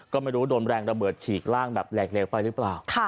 ก็ไม่รู้โดนแรงระเบิดฉีกร่างแบบแหลกเหลวไปหรือเปล่า